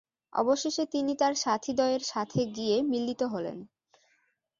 অবশেষে তিনি তার সাথীদ্বয়ের সাথে গিয়ে মিলিত হলেন।